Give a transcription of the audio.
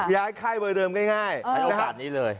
ใช้โอกาสนี้เลย